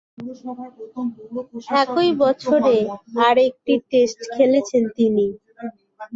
একই বছরে আর একটি টেস্ট খেলেছেন তিনি।